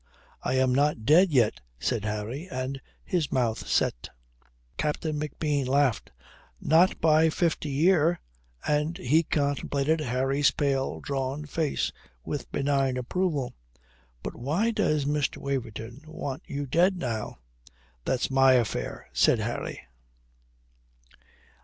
"I am not dead yet," said Harry, and his mouth set. Captain McBean laughed. "Not by fifty year:" and he contemplated Harry's pale drawn face with benign approval. "But why does Mr. Waverton want you dead now?" "That's my affair," said Harry.